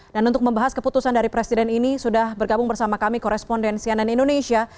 dan untuk membahas keputusan dari presiden ini sudah bergabung bersama kami korespondensi ann indonesia